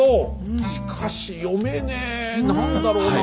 しかし読めねえ何だろうなあ。